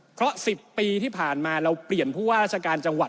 เพราะ๑๐ปีที่ผ่านมาเราเปลี่ยนผู้ว่าราชการจังหวัด